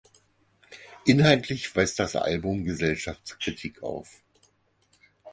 Inhaltlich weist das Album Gesellschaftskritik auf.